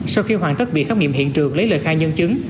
sau khi hoàn tất việc khám nghiệm hiện trường lấy lời khai nhân chứng